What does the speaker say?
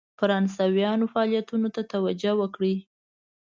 فرانسویانو فعالیتونو ته توجه وکړي.